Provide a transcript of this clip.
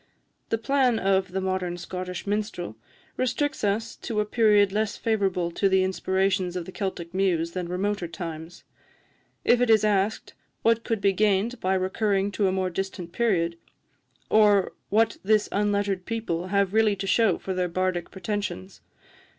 The plan of 'The Modern Scottish Minstrel' restricts us to a period less favourable to the inspirations of the Celtic muse than remoter times. If it is asked, What could be gained by recurring to a more distant period? or what this unlettered people have really to shew for their bardic pretensions?